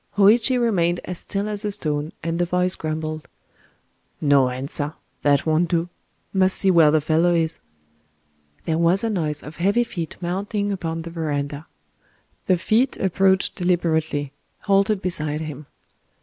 Hōïchi remained as still as a stone,—and the voice grumbled:— "No answer!—that won't do!... Must see where the fellow is."... There was a noise of heavy feet mounting upon the verandah. The feet approached deliberately,—halted beside him.